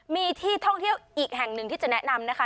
มีที่ท่องเที่ยวอีกแห่งหนึ่งที่จะแนะนำนะคะ